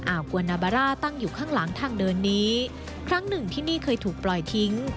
กวานาบาร่าตั้งอยู่ข้างหลังทางเดินนี้ครั้งหนึ่งที่นี่เคยถูกปล่อยทิ้ง